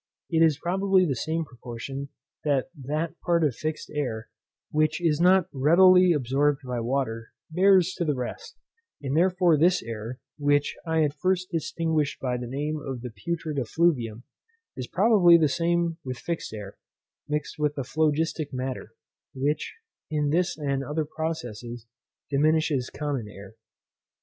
It is probably the same proportion that that part of fixed air, which is not readily absorbed by water, bears to the rest; and therefore this air, which I at first distinguished by the name of the putrid effluvium, is probably the same with fixed air, mixed with the phlogistic matter, which, in this and other processes, diminishes common air.